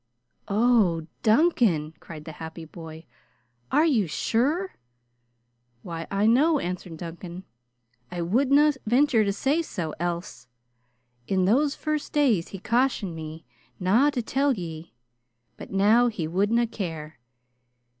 "Oh, Duncan!" cried the happy boy. "Are you sure?" "Why I know," answered Duncan. "I wadna venture to say so else. In those first days he cautioned me na to tell ye, but now he wadna care.